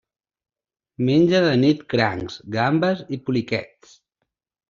Menja de nit crancs, gambes i poliquets.